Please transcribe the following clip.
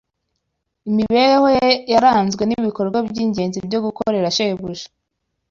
Imibereho ye yaranzwe n’ibikorwa by’ingenzi byo gukorera Shebuja